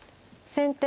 先手